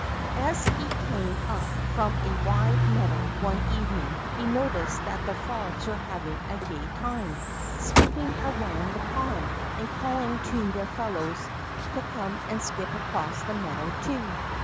As he came np from a wide meadow one even ing, he noticed that the frogs were having a gay time skipping around the pond, and calling to their fellows to come and skip across the meadow too.